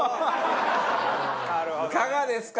いかがですか？